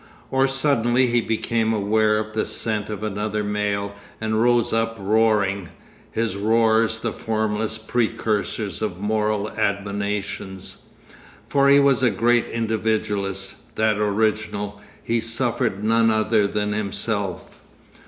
Or suddenly he became aware of the scent of another male and rose up roaring, his roars the formless precursors of moral admonitions. For he was a great individualist, that original, he suffered none other than himself.